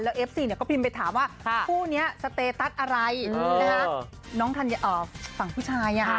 แล้วเอฟซีเนี่ยก็พิมพ์ไปถามว่าคู่เนี่ยสเตตัสอะไรน้องทันยาอ่าฝั่งผู้ชายอ่ะ